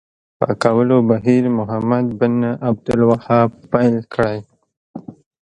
پاکولو بهیر محمد بن عبدالوهاب پیل کړی.